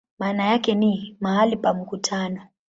Maana yake ni "mahali pa mkutano".